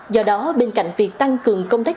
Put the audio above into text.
do đó bên cạnh việc tăng cường công tác